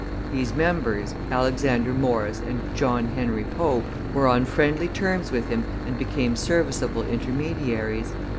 These members, Alexander Morris and John Henry Pope, were on friendly terms with him and became serviceable intermediaries.